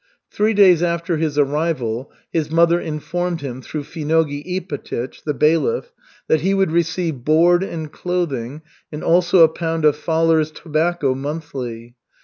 Three days after his arrival, his mother informed him through Finogey Ipatych, the bailiff, that he would receive board and clothing and also a pound of Faler's tobacco monthly.